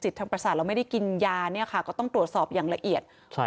ทางประสาทเราไม่ได้กินยาเนี่ยค่ะก็ต้องตรวจสอบอย่างละเอียด